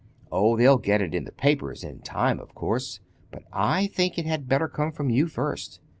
Oh, they'll get it in the papers, in time, of course; but I think it had better come from you first.